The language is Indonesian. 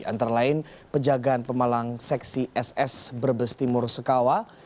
antara lain pejagaan pemalang seksi ss berbestimur sekawa